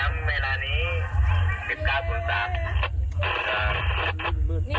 โอเคเปิดฝ่ายได้นะคะ